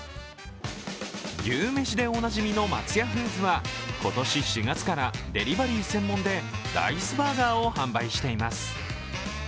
牛めしでおなじみの松屋フーズは今年４月からデリバリー専門でライスバーガーを販売しています。